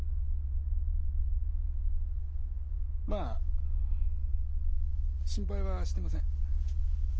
まあ心配はしてません。